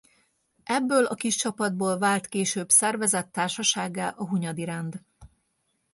Ebből a kis csapatból vált később szervezett társasággá a Hunyadi Rend.